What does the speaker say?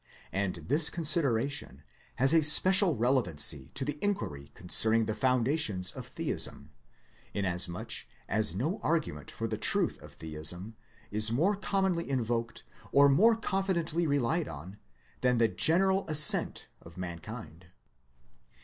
And this consideration has a special relevancy to the inquiry concerning the foundations of theism, inasmuch as no argument for the truth of theism is more commonly invoked or more con fidently relied on, than the general assent of man kind.